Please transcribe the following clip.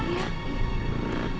nanti kita bisa jalan jalan